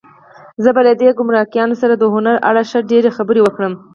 زه به له دې ګمرکیانو سره د هنر په اړه ښې ډېرې خبرې وکړم.